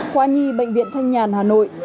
khoa nhi bệnh viện thanh nhàn hà nội